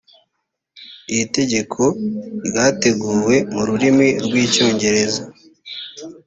iri tegeko ryateguwe mu rurimi rw icyongereza